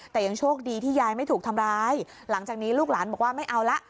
แต่ยังโชคดีที่ยายไม่ถูกทำร้ายหลังจากนี้ลูกหลานบอกว่าไม่เอาละ